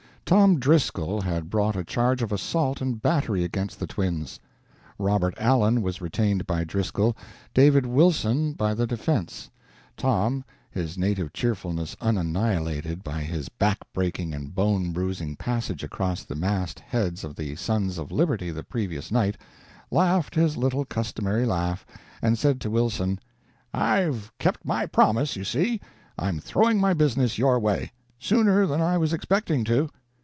Tom Driscoll had brought a charge of assault and battery against the twins. Robert Allen was retained by Driscoll, David Wilson by the defense. Tom, his native cheerfulness unannihilated by his back breaking and bone bruising passage across the massed heads of the Sons of Liberty the previous night, laughed his little customary laugh, and said to Wilson: "I've kept my promise, you see; I'm throwing my business your way. Sooner than I was expecting, too."